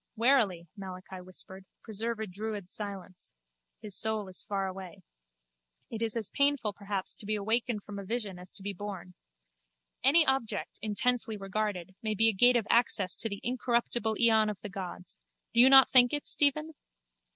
Warily, Malachi whispered, preserve a druid silence. His soul is far away. It is as painful perhaps to be awakened from a vision as to be born. Any object, intensely regarded, may be a gate of access to the incorruptible eon of the gods. Do you not think it, Stephen?